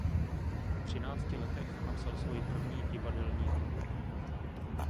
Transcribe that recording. Ve třinácti letech napsal svoji první divadelní hru.